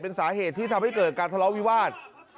เป็นสาเหตุที่ทำให้เกิดการทะเลาะวิวาส